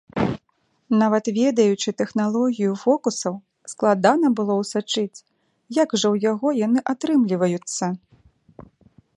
Нават ведаючы тэхналогію фокусаў, складана было ўсачыць, як жа ў яго яны атрымліваюцца?